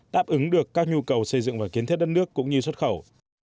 đáp ứng được các nhu cầu xây dựng và kiến thiết đất nước cũng như xuất khẩu